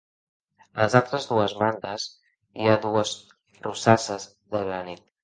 A les altres dues bandes i hi ha dues rosasses de granit.